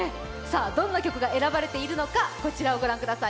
どんな曲が選ばれているのかこちらをご覧ください。